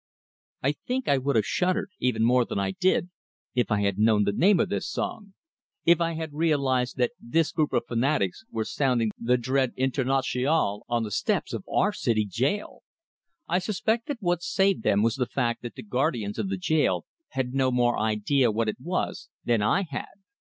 I think I would have shuddered, even more than I did, if I had known the name of this song; if I had realized that this group of fanatics were sounding the dread Internationale on the steps of our city jail! I suspect that what saved them was the fact that the guardians of the jail had no more idea what it was than I had!